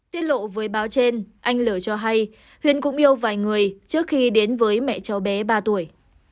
tiết lộ với báo trên anh lửa cho hay huyền cũng yêu vài người trước khi đến với mẹ cháu bé ba tuổi